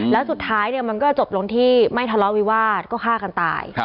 แล้วสุดท้ายมันก็จบลงที่ไม่ทะเลาะวิวาสก็ฆ่ากันตาย